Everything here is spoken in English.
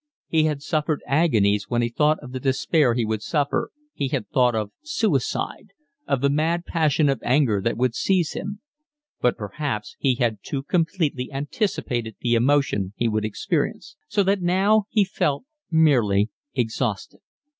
He had suffered agonies when he thought of the despair he would suffer, he had thought of suicide, of the mad passion of anger that would seize him; but perhaps he had too completely anticipated the emotion he would experience, so that now he felt merely exhausted.